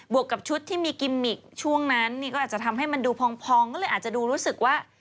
วกกับชุดที่มีกิมมิกช่วงนั้นนี่ก็อาจจะทำให้มันดูพองก็เลยอาจจะดูรู้สึกว่า